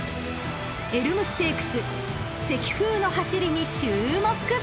［エルムステークスセキフウの走りに注目］